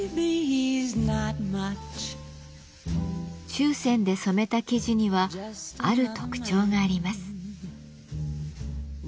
注染で染めた生地にはある特徴があります。